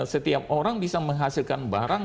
setiap orang bisa menghasilkan barang